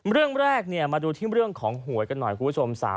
เรื่องแรกมาดูที่เรื่องของหวยกันหน่อยคุณผู้ชม